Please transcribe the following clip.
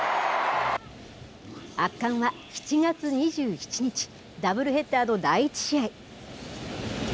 圧巻は７月２７日、ダブルヘッダーの第１試合。